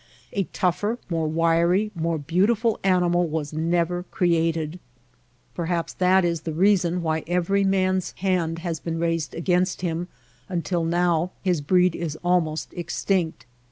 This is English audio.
A tougher, more wiry, more beautiful animal was never created. Perhaps that is the reason why every man^s hand has been raised against him until now his breed is almost extinct.